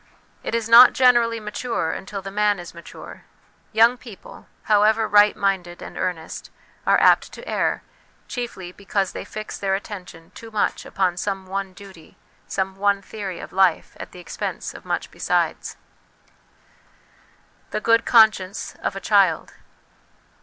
It is not generally mature until the man is mature ; young people, however right minded and earnest, are apt to err, chiefly because they fix their attention too much upon some one duty, some one theory of life, at the expense of much besides. The Good Conscience of a Child.